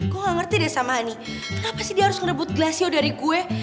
gue gak ngerti deh sama ani kenapa sih dia harus ngerebut glasio dari gue